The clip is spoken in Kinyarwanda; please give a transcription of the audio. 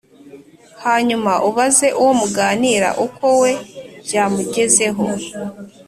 hanyuma ubaze uwo muganira uko we byamugezeho